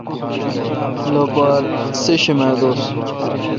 لوپارہ سیشمہ دوس